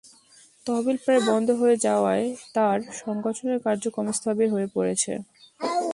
তহবিল প্রায় বন্ধ হয়ে যাওয়ায় তাঁর সংগঠনের কাযক্রম স্থবির হয়ে পড়েছে।